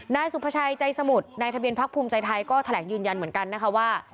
นายสุภาชัยใจสมุทรนายทะเบียนพักภูมิใจไทยก็แถลงยืนยันเหมือนกันนะคะว่า